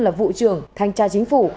là vụ trưởng thanh tra chính phủ